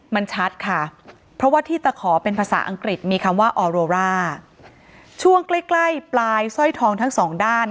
มันชัดค่ะเพราะว่าที่ตะขอเป็นภาษาอังกฤษมีคำว่าออโรร่าช่วงใกล้ใกล้ปลายสร้อยทองทั้งสองด้าน